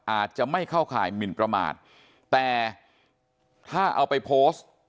อาจจะไม่เข้าข่ายหมินประมาทแต่ถ้าเอาไปโพสต์